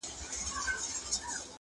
o خو د کلي اصلي درد څوک نه سي ليدلای,